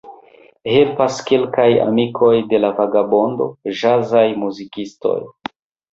Helpas kelkaj amikoj de la vagabondo, ĵazaj muzikistoj.